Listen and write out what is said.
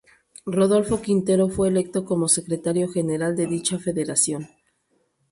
Rodolfo Quintero fue electo como secretario general de dicha federación.